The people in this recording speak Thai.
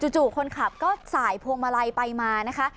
จู่คนขับก็สายพวงมาลัยไปมานะคะ